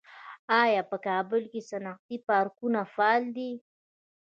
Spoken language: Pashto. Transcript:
آیا په کابل کې صنعتي پارکونه فعال دي؟